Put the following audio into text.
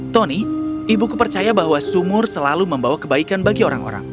tony ibuku percaya bahwa sumur selalu membawa kebaikan bagi orang orang